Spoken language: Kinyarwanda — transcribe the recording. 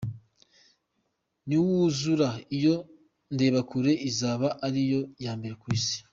Niwuzura, iyo ndebakure izaba ariyo ya mbere ku isi.